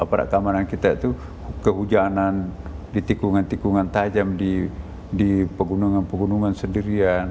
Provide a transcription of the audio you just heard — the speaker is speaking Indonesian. aparat keamanan kita itu kehujanan di tikungan tikungan tajam di pegunungan pegunungan sendirian